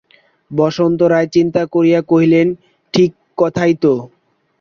বসন্ত রায় চিন্তা করিয়া কহিলেন ঠিক কথাই তো।